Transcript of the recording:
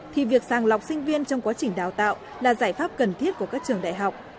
thì việc sàng lọc sinh viên trong quá trình đào tạo là giải pháp cần thiết của các trường đại học